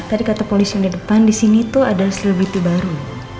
tadi kata polisi yang di depan di sini tuh ada selebriti baru